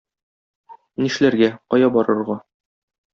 Нишләргә, кая барырга?